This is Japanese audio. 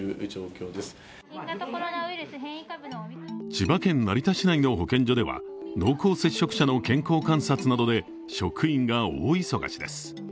千葉県成田市内の保健所では濃厚接触者の健康観察などで職員が大忙しです。